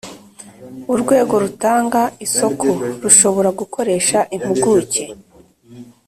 Urwego rutanga isoko rushobora gukoresha impuguke